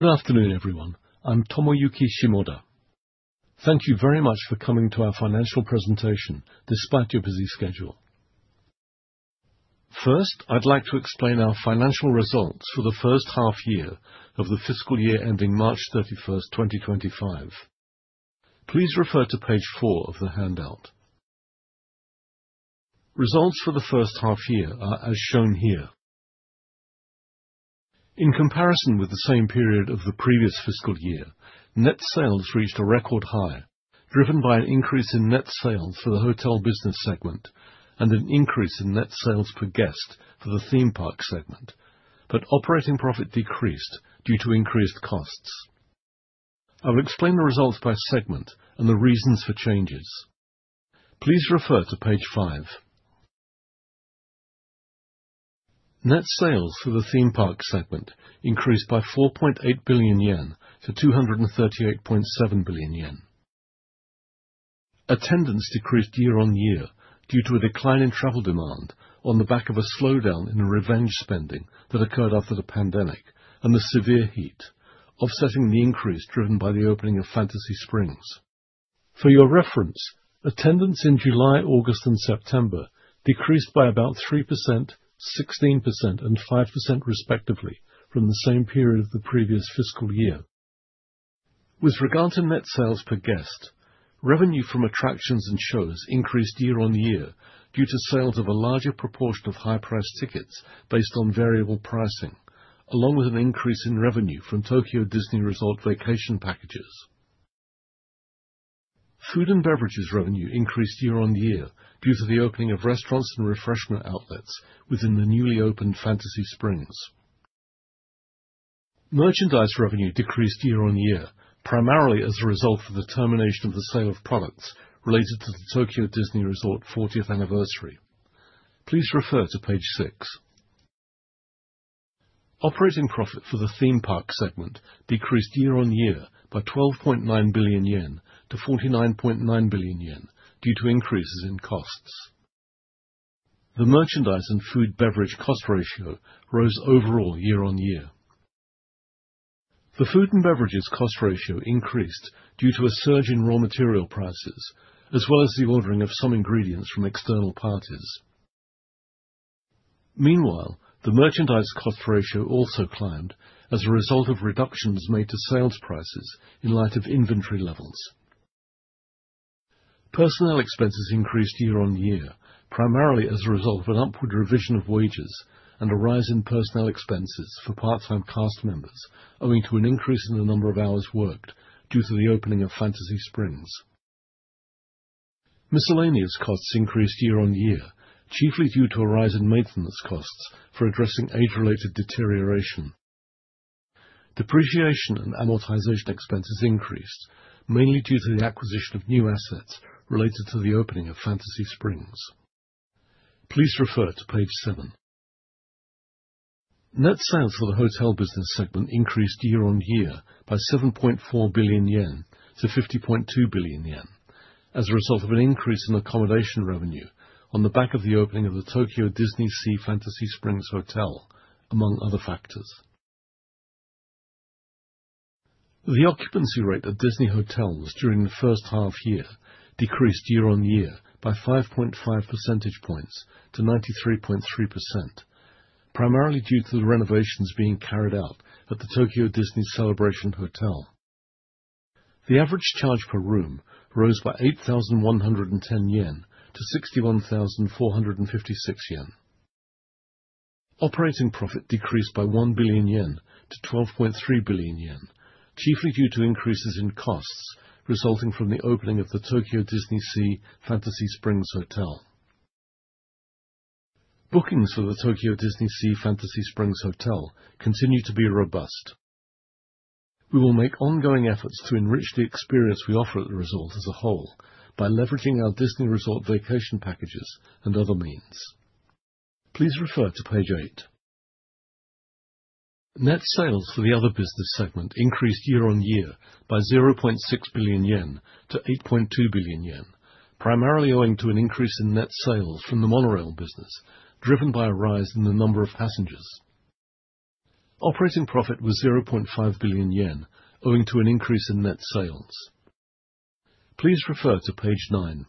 Good afternoon, everyone. I'm Tomoyuki Shimoda. Thank you very much for coming to our financial presentation despite your busy schedule. First, I'd like to explain our financial results for the first half year of the fiscal year ending March 31st, 2025. Please refer to page four of the handout. Results for the first half year are as shown here. In comparison with the same period of the previous fiscal year, net sales reached a record high, driven by an increase in net sales for the Hotel Business Segment and an increase in net sales per guest for the Theme Park Segment, but operating profit decreased due to increased costs. I will explain the results by segment and the reasons for changes. Please refer to page five. Attendance decreased year-on-year due to a decline in travel demand on the back of a slowdown in the revenge spending that occurred after the pandemic and the severe heat, offsetting the increase driven by the opening of Fantasy Springs. For your reference, attendance in July, August, and September decreased by about 3%, 16%, and 5% respectively from the same period of the previous fiscal year. With regard to net sales per guest, revenue from attractions and shows increased year-on-year due to sales of a larger proportion of high-priced tickets based on variable pricing, along with an increase in revenue from Tokyo Disney Resort Vacation Packages. Food and beverages revenue increased year-on-year due to the opening of restaurants and refreshment outlets within the newly opened Fantasy Springs. Merchandise revenue decreased year-on-year, primarily as a result of the termination of the sale of products related to the Tokyo Disney Resort 40th Anniversary. Please refer to page six. Operating profit for the Theme Park Segment decreased year-on-year by 12.9 billion yen to 49.9 billion yen due to increases in costs. The merchandise and food beverage cost ratio rose overall year-on-year. The food and beverages cost ratio increased due to a surge in raw material prices, as well as the ordering of some ingredients from external parties. Meanwhile, the merchandise cost ratio also climbed as a result of reductions made to sales prices in light of inventory levels. Personnel expenses increased year-on-year, primarily as a result of an upward revision of wages and a rise in personnel expenses for part-time cast members owing to an increase in the number of hours worked due to the opening of Fantasy Springs. Miscellaneous costs increased year-on-year, chiefly due to a rise in maintenance costs for addressing age-related deterioration. Depreciation and amortization expenses increased, mainly due to the acquisition of new assets related to the opening of Fantasy Springs. Please refer to page seven. Net sales for the Hotel Business Segment increased year-on-year by 7.4 billion yen to 50.2 billion yen as a result of an increase in accommodation revenue on the back of the opening of the Tokyo DisneySea Fantasy Springs Hotel, among other factors. The occupancy rate at Disney hotels during the first half year decreased year on year by 5.5 percentage points to 93.3%, primarily due to the renovations being carried out at the Tokyo Disney Celebration Hotel. The average charge per room rose by 8,110 yen to 61,456 yen. Operating profit decreased by 1 billion yen to 12.3 billion yen, chiefly due to increases in costs resulting from the opening of the Tokyo DisneySea Fantasy Springs Hotel. Bookings for the Tokyo DisneySea Fantasy Springs Hotel continue to be robust. We will make ongoing efforts to enrich the experience we offer at the resort as a whole by leveraging our Disney Resort Vacation Packages and other means. Please refer to page eight. Net sales for the Other Business Segment increased year on year by 0.6 billion yen to 8.2 billion yen, primarily owing to an increase in net sales from the monorail business driven by a rise in the number of passengers. Operating profit was 0.5 billion yen owing to an increase in net sales. Please refer to page 9.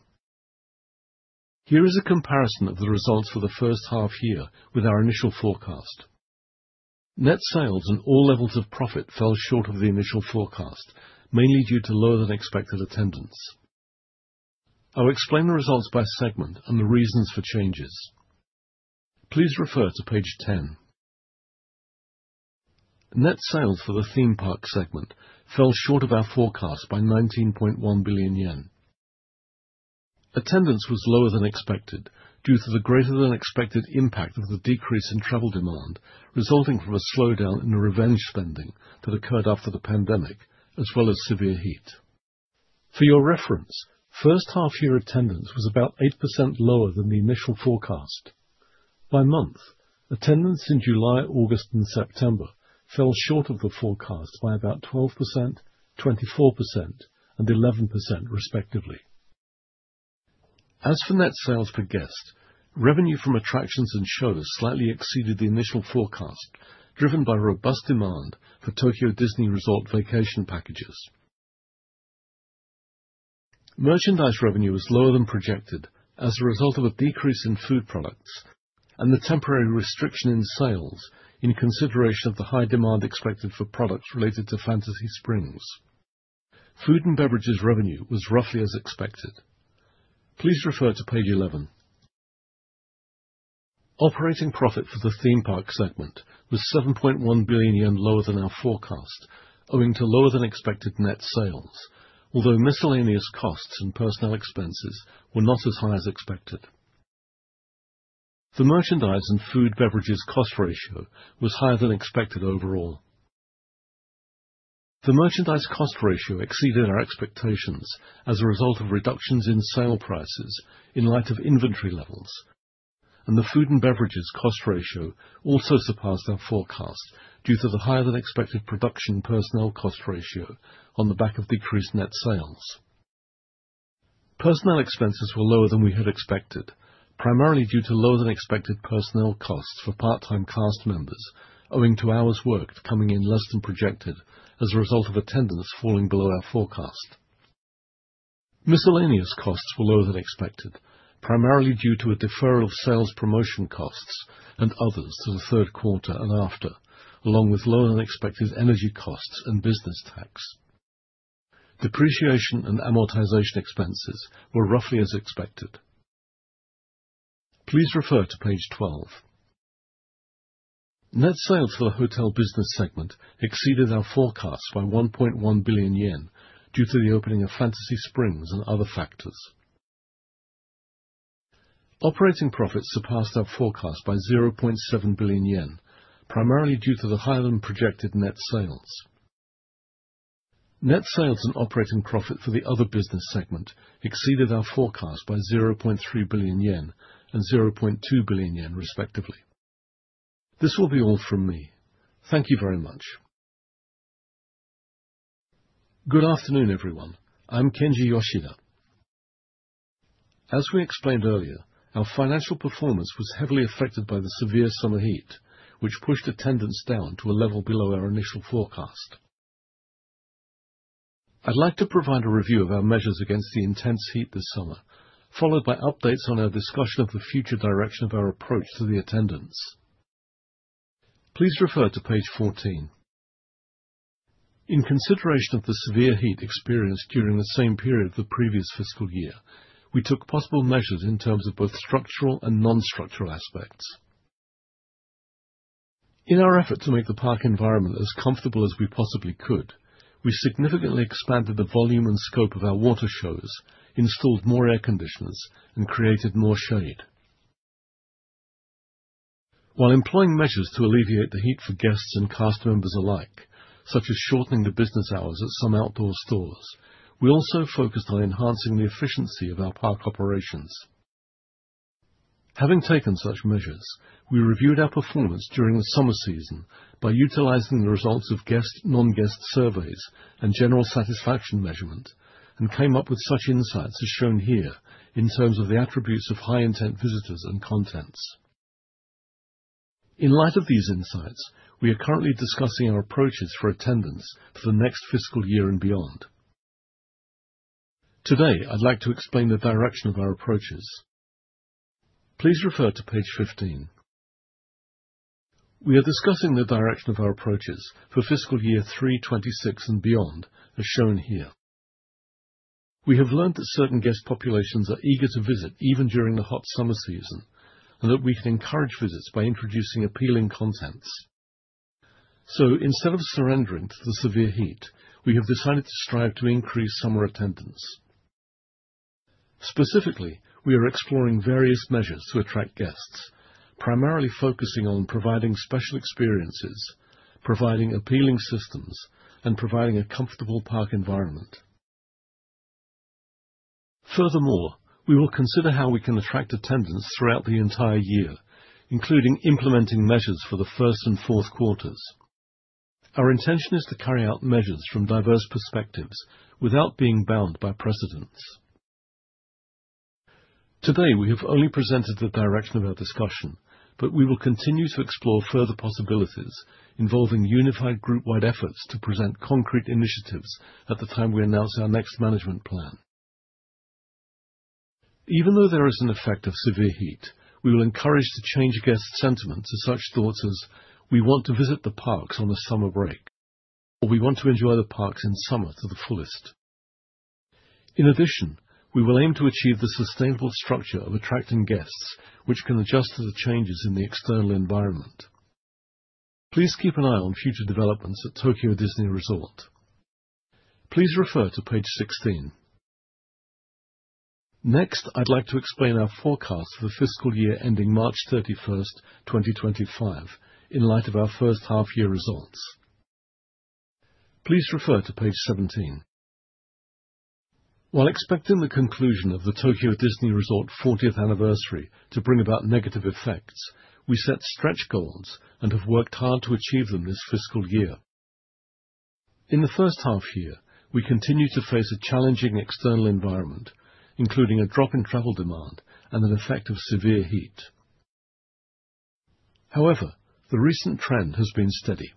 Here is a comparison of the results for the first half year with our initial forecast. Net sales and all levels of profit fell short of the initial forecast, mainly due to lower than expected attendance. I'll explain the results by segment and the reasons for changes. Please refer to page 10. Net sales for the Theme Park Segment fell short of our forecast by 19.1 billion yen. Attendance was lower than expected due to the greater-than-expected impact of the decrease in travel demand resulting from a slowdown in the revenge spending that occurred after the pandemic, as well as severe heat. For your reference, first-half-year attendance was about 8% lower than the initial forecast. By month, attendance in July, August, and September fell short of the forecast by about 12%, 24%, and 11% respectively. As for net sales per guest, revenue from attractions and shows slightly exceeded the initial forecast, driven by robust demand for Tokyo Disney Resort Vacation Packages. Merchandise revenue was lower than projected as a result of a decrease in food products and the temporary restriction in sales in consideration of the high demand expected for products related to Fantasy Springs. Food and Beverages revenue was roughly as expected. Please refer to page 11. Operating profit for the Theme Park Segment was 7.1 billion yen lower than our forecast, owing to lower than expected net sales, although miscellaneous costs and personnel expenses were not as high as expected. The Merchandise and Food and Beverages cost ratio was higher than expected overall. The Merchandise cost ratio exceeded our expectations as a result of reductions in sale prices in light of inventory levels, and the Food and Beverages cost ratio also surpassed our forecast due to the higher than expected production personnel cost ratio on the back of decreased net sales. Personnel expenses were lower than we had expected, primarily due to lower than expected personnel costs for part-time cast members owing to hours worked coming in less than projected as a result of attendance falling below our forecast. Miscellaneous costs were lower than expected, primarily due to a deferral of sales promotion costs and others to the third quarter and after, along with lower than expected energy costs and business tax. Depreciation and amortization expenses were roughly as expected. Please refer to page 12. Net sales for the hotel business segment exceeded our forecast by 1.1 billion yen due to the opening of Fantasy Springs and other factors. Operating profits surpassed our forecast by 0.7 billion yen, primarily due to the higher-than-projected net sales. Net sales and operating profit for the other business segment exceeded our forecast by 0.3 billion yen and 0.2 billion yen, respectively. This will be all from me. Thank you very much. Good afternoon, everyone. I'm Kenji Yoshida. As we explained earlier, our financial performance was heavily affected by the severe summer heat, which pushed attendance down to a level below our initial forecast. I'd like to provide a review of our measures against the intense heat this summer, followed by updates on our discussion of the future direction of our approach to the attendance. Please refer to page 14. In consideration of the severe heat experienced during the same period of the previous fiscal year, we took possible measures in terms of both structural and non-structural aspects. In our effort to make the park environment as comfortable as we possibly could, we significantly expanded the volume and scope of our water shows, installed more air conditioners, and created more shade. While employing measures to alleviate the heat for guests and cast members alike, such as shortening the business hours at some outdoor stores, we also focused on enhancing the efficiency of our park operations. Having taken such measures, we reviewed our performance during the summer season by utilizing the results of guest, non-guest surveys, and general satisfaction measurement and came up with such insights as shown here in terms of the attributes of high-intent visitors and contents. In light of these insights, we are currently discussing our approaches for attendance for the next fiscal year and beyond. Today, I'd like to explain the direction of our approaches. Please refer to page 15. We are discussing the direction of our approaches for fiscal year 3/26 and beyond as shown here. We have learned that certain guest populations are eager to visit even during the hot summer season, and that we can encourage visits by introducing appealing contents. Instead of surrendering to the severe heat, we have decided to strive to increase summer attendance. Specifically, we are exploring various measures to attract guests, primarily focusing on providing special experiences, providing appealing systems, and providing a comfortable park environment. Furthermore, we will consider how we can attract attendance throughout the entire year, including implementing measures for the first and fourth quarters. Our intention is to carry out measures from diverse perspectives without being bound by precedents. Today, we have only presented the direction of our discussion, but we will continue to explore further possibilities involving unified group-wide efforts to present concrete initiatives at the time we announce our next management plan. Even though there is an effect of severe heat, we will encourage the change guest sentiment to such thoughts as, "We want to visit the parks on the summer break," or, "We want to enjoy the parks in summer to the fullest." In addition, we will aim to achieve the sustainable structure of attracting guests, which can adjust to the changes in the external environment. Please keep an eye on future developments at Tokyo Disney Resort. Please refer to page 16. Next, I'd like to explain our forecast for the fiscal year ending March 31, 2025, in light of our first half-year results. Please refer to page 17. While expecting the conclusion of the Tokyo Disney Resort 40th Anniversary to bring about negative effects, we set stretch goals and have worked hard to achieve them this fiscal year. In the first half year, we continued to face a challenging external environment, including a drop in travel demand and an effect of severe heat. However, the recent trend has been steady.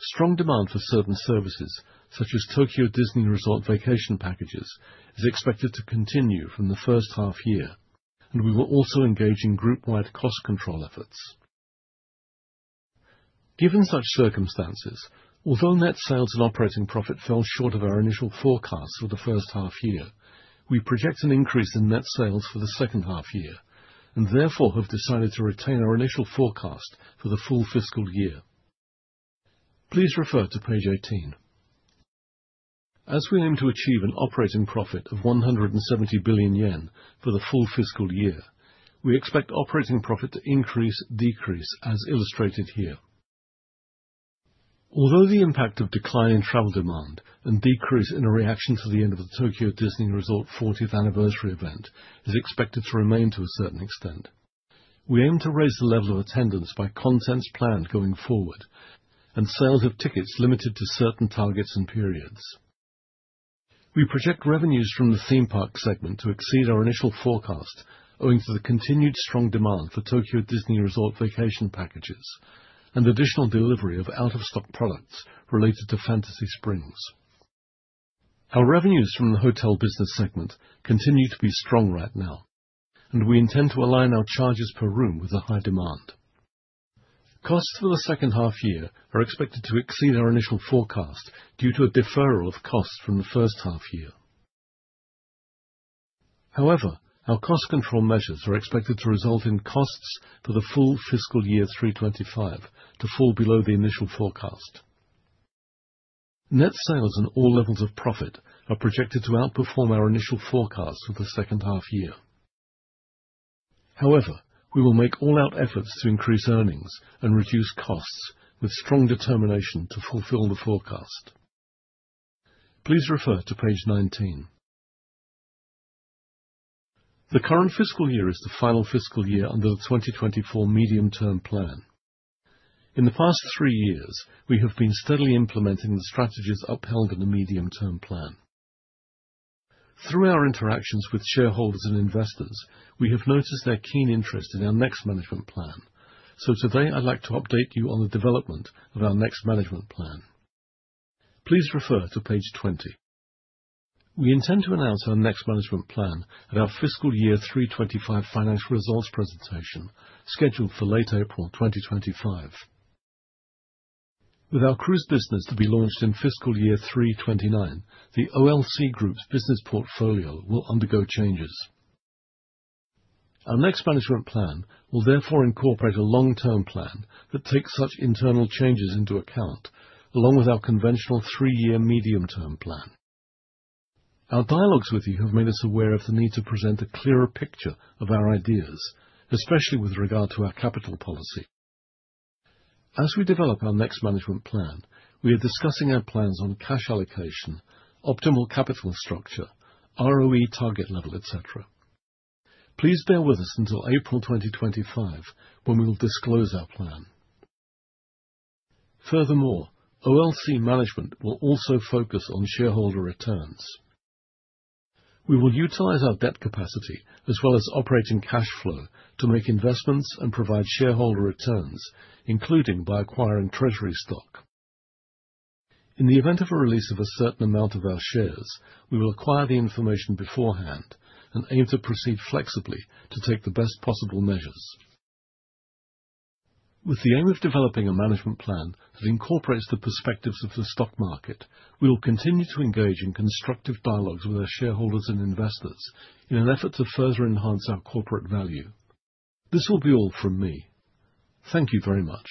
Strong demand for certain services, such as Tokyo Disney Resort Vacation Packages, is expected to continue from the first half year, and we will also engage in group-wide cost control efforts. Given such circumstances, although net sales and operating profit fell short of our initial forecast for the first half year, we project an increase in net sales for the second half year, therefore have decided to retain our initial forecast for the full fiscal year. Please refer to page 18. As we aim to achieve an operating profit of 170 billion yen for the full fiscal year, we expect operating profit to increase, decrease, as illustrated here. Although the impact of decline in travel demand and decrease in a reaction to the end of the Tokyo Disney Resort 40th Anniversary event is expected to remain to a certain extent, we aim to raise the level of attendance by contents planned going forward and sales of tickets limited to certain targets and periods. We project revenues from the theme park segment to exceed our initial forecast owing to the continued strong demand for Tokyo Disney Resort Vacation Packages and additional delivery of out-of-stock products related to Fantasy Springs. Our revenues from the hotel business segment continue to be strong right now, and we intend to align our charges per room with the high demand. Costs for the second half year are expected to exceed our initial forecast due to a deferral of costs from the first half year. Our cost control measures are expected to result in costs for the full fiscal year 3/25 to fall below the initial forecast. Net sales and all levels of profit are projected to outperform our initial forecast for the second half year. We will make all-out efforts to increase earnings and reduce costs with strong determination to fulfill the forecast. Please refer to page 19. The current fiscal year is the final fiscal year under the 2024 Medium-Term Plan. In the past three years, we have been steadily implementing the strategies upheld in the Medium-Term Plan. Through our interactions with shareholders and investors, we have noticed their keen interest in our next management plan. Today, I'd like to update you on the development of our next management plan. Please refer to page 20. We intend to announce our next management plan at our fiscal year 3/25 financial results presentation, scheduled for late April 2025. With our cruise business to be launched in fiscal year 3/29, the OLC Group's business portfolio will undergo changes. Our next management plan will therefore incorporate a long-term plan that takes such internal changes into account, along with our conventional three-year medium-term plan. Our dialogues with you have made us aware of the need to present a clearer picture of our ideas, especially with regard to our capital policy. As we develop our next management plan, we are discussing our plans on cash allocation, optimal capital structure, ROE target level, et cetera. Please bear with us until April 2025, when we will disclose our plan. Furthermore, OLC management will also focus on shareholder returns. We will utilize our debt capacity as well as operating cash flow to make investments and provide shareholder returns, including by acquiring treasury stock. In the event of a release of a certain amount of our shares, we will acquire the information beforehand and aim to proceed flexibly to take the best possible measures. With the aim of developing a management plan that incorporates the perspectives of the stock market, we will continue to engage in constructive dialogues with our shareholders and investors in an effort to further enhance our corporate value. This will be all from me. Thank you very much.